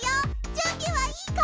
準備はいいか！